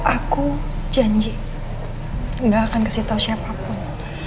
aku janji gak akan kasih tahu siapapun